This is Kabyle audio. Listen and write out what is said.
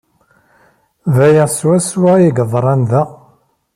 D aya swaswa ay yeḍran da.